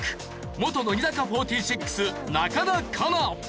元乃木坂４６中田花奈。